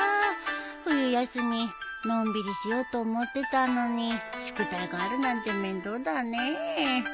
冬休みのんびりしようと思ってたのに宿題があるなんて面倒だねえ。